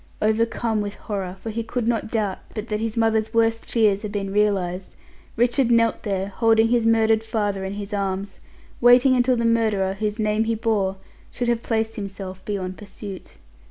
Overcome with horror for he could not doubt but that his mother's worst fears had been realized Richard knelt there holding his murdered father in his arms, waiting until the murderer, whose name he bore, should have placed himself beyond pursuit.